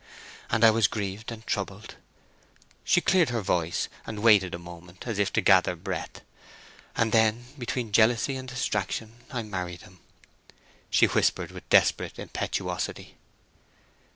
And I was grieved and troubled—" She cleared her voice, and waited a moment, as if to gather breath. "And then, between jealousy and distraction, I married him!" she whispered with desperate impetuosity.